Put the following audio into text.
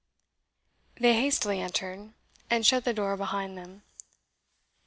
They hastily entered, and shut the door behind them.